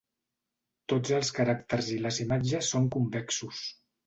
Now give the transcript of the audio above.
Tots els caràcters i les imatges són convexos.